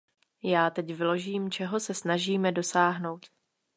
Já teď vyložím, čeho se snažíme dosáhnout.